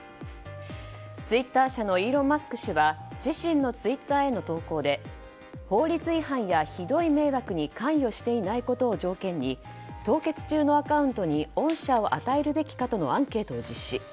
ツイッター社のイーロン・マスク氏は自身のツイッターへの投稿で法律違反やひどい迷惑に関与していないことを条件に凍結中のアカウントに恩赦を与えるべきかとのアンケートを実施。